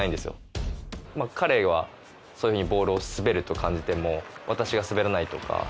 彼はそういうふうにボールを滑ると感じても私が滑らないとか。